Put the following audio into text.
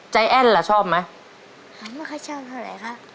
ใจแอ้นเหรอชอบไหมไม่ค่อยชอบเท่าไรครับ